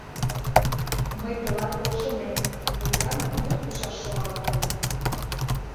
— Мый тылат полшынем, хулиганым мут кучаш шогалтынем.